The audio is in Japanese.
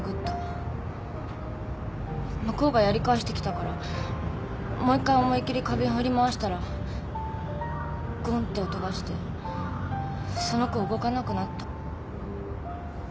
向こうがやり返してきたからもう１回思いっきり花瓶振り回したらゴンって音がしてその子動かなくなった。